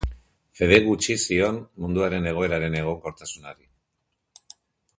Fede gutxi zion munduaren egoeraren egonkortasunari.